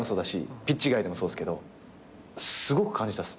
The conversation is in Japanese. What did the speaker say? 外でもそうっすけどすごく感じたっす。